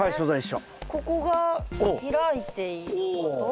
ここが開いていること。